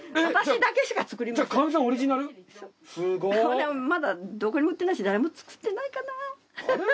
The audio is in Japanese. これまだどこにも売ってないし誰も作ってないかな。